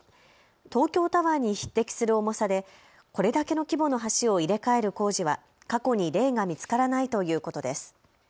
東京タワーに匹敵する重さでこれだけの規模の橋を入れ替える工事は過去に例が見つからないということです。